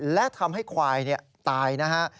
และทำให้ควายตายนะฮะ